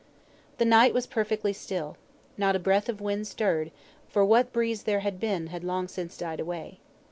The night was perfectly still. Not a breath of wind stirred, for what breeze there had been had long since died away.